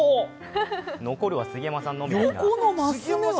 残るは杉山さんのみですが。